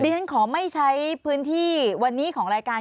ฉันขอไม่ใช้พื้นที่วันนี้ของรายการ